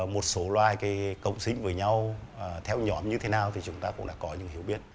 một số loài cộng sinh với nhau theo nhóm như thế nào thì chúng ta cũng đã có những hiểu biết